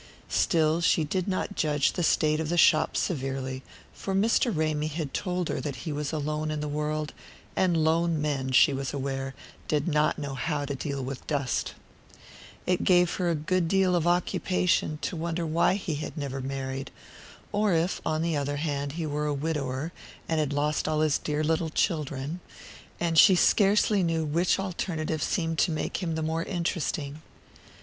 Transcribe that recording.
Still, she did not judge the state of the shop severely, for Mr. Ramy had told her that he was alone in the world, and lone men, she was aware, did not know how to deal with dust. It gave her a good deal of occupation to wonder why he had never married, or if, on the other hand, he were a widower, and had lost all his dear little children; and she scarcely knew which alternative seemed to make him the more interesting.